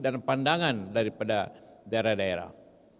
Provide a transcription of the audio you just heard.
dan pandangan daripada daerah daerah